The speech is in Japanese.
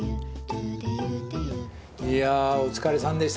いやお疲れさんでした。